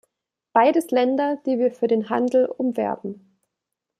Beides Länder, die wir für den Handel umwerben.